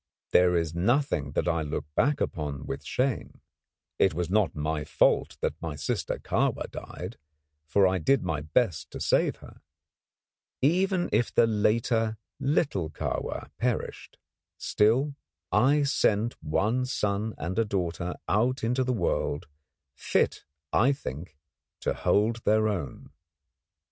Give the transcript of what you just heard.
There is nothing that I look back upon with shame. It was not my fault that my sister Kahwa died; for I did my best to save her. Even if the later little Kahwa perished, still, I sent one son and a daughter out into the world, fit I think, to hold their own.